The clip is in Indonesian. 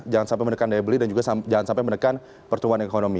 jangan sampai menekan daya beli dan juga jangan sampai menekan pertumbuhan ekonomi